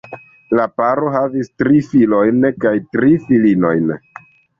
La paro havis tri filojn kaj tri filinojn.